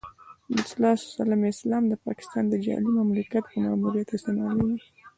د رسول الله اسلام د پاکستان د جعلي مملکت په ماموریت استعمالېږي.